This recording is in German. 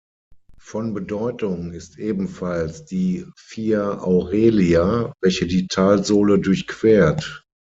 Von Bedeutung ist ebenfalls die Via Aurelia, welche die Talsohle durchquert.